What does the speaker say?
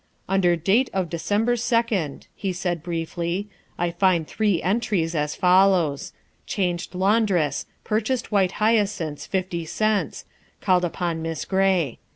" Under date of December 2d," he said briefly, " I find three entries, as follows : Changed laundress ; pur chased white hyacinths, fifty cents; called upon Miss Gray.